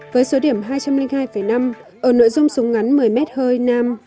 với số điểm hai trăm linh hai năm ở nội dung súng ngắn một mươi m hơi nam